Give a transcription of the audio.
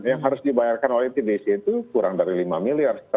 yang harus dibayarkan oleh itdc itu kurang dari lima miliar empat sembilan